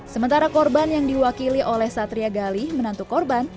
sementara korban yang diwakili oleh satria gali menantu korban